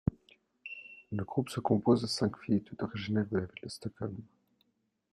Le groupe se compose de cinq filles toutes originaires de la ville Stockholm.